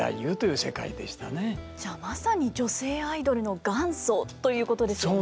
じゃあまさに女性アイドルの元祖ということですよね。